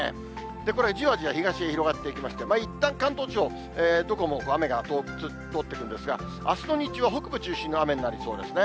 これがじわじわ東へ広がっていきまして、いったん関東地方、どこも雨が通っていくんですが、あすの日中は北部中心の雨になりそうですね。